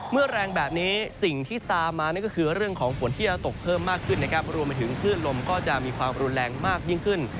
แรงแบบนี้สิ่งที่ตามมานั่นก็คือเรื่องของฝนที่จะตกเพิ่มมากขึ้นนะครับรวมไปถึงคลื่นลมก็จะมีความรุนแรงมากยิ่งขึ้น